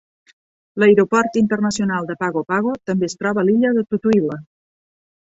L'aeroport internacional de Pago Pago també es troba a l'illa de Tutuila.